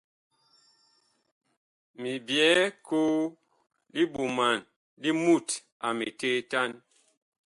Mi byɛɛ koo li ɓoman li mut a miteetan.